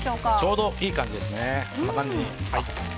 ちょうどいい感じですね。